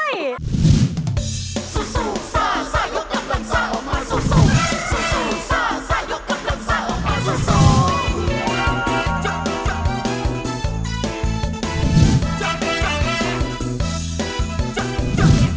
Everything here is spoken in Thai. ร้องได้ยกกำลังสร้างตั้งขบวน